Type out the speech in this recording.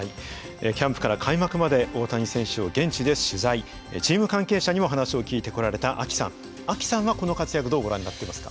キャンプから開幕まで大谷選手を現地で取材チーム関係者にも話を聞いてこられたＡＫＩさんＡＫＩさんはこの活躍どうご覧になっていますか。